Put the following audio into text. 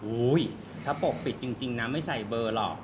ถ้าปกปิดจริงนะไม่ใส่เบอร์หรอก